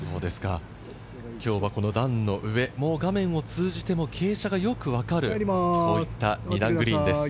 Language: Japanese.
今日は段の上、画面を通じても傾斜がよくわかる、こういった２段グリーンです。